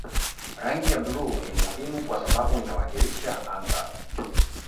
Rangi ya bluu ni muhimu kwa sababu inawakilisha anga